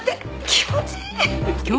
気持ちいい！